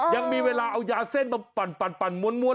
ยังมีเวลาเอายาเส้นไปปั่นปั่นปั่นม้วนม้วน